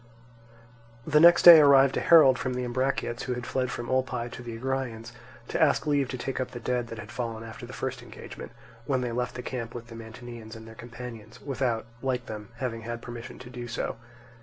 The next day arrived a herald from the Ambraciots who had fled from Olpae to the Agraeans, to ask leave to take up the dead that had fallen after the first engagement, when they left the camp with the Mantineans and their companions, without, like them, having had permission to do so.